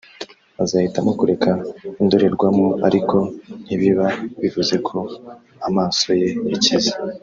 azahitamo kureka indorerwamo ariko ntibiba bivuze ko amaso ye yakize